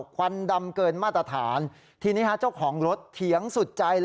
ควันดำเกินมาตรฐานทีนี้ฮะเจ้าของรถเถียงสุดใจเลย